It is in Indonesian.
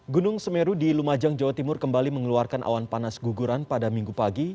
gunung semeru di lumajang jawa timur kembali mengeluarkan awan panas guguran pada minggu pagi